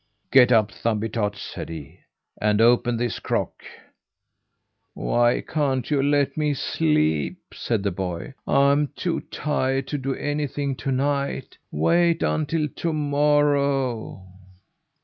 "Get up, Thumbietot," said he, "and open this crock!" "Why can't you let me sleep?" said the boy. "I'm too tired to do anything to night. Wait until to morrow!"